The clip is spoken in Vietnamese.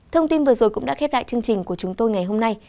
thông tin vừa rồi cũng đã khép lại chương trình của chúng tôi ngày hôm nay